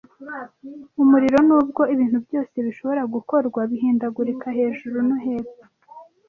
Umuriro nubwo ibintu byose bishobora gukorwa bihindagurika hejuru no hepfo,